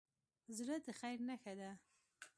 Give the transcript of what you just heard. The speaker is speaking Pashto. زړه د خیر نښه ده.